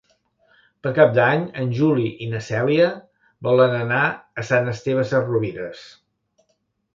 Per Cap d'Any en Juli i na Cèlia volen anar a Sant Esteve Sesrovires.